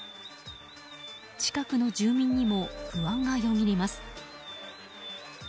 近くの住民にも不安がよぎります。